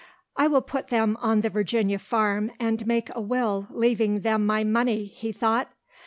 "I will put them on the Virginia farm and make a will leaving them my money," he thought.